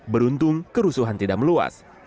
beruntung kerusuhan tidak meluas